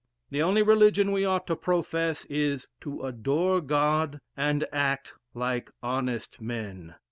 The only religion we ought to profess is, 'to adore God, and act like honest men.'